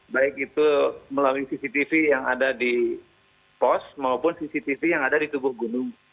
baik itu melalui cctv yang ada di pos maupun cctv yang ada di tubuh gunung